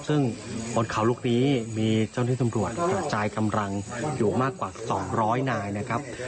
ซึ่งบนเขาลูกนี้มีเจ้าหน้าที่ตำรวจกระจายกำลังอยู่มากกว่า๒๐๐นายนะครับ